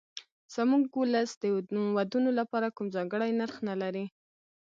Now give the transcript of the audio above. زموږ ولس د ودونو لپاره کوم ځانګړی نرخ نه لري.